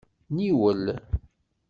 Niwel.